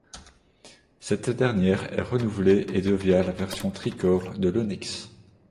Cette dernière est renouvelée et devient la version tricorps de l'Onix.